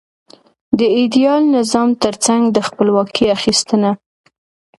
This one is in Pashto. د ایډیال نظام ترڅنګ د خپلواکۍ اخیستنه.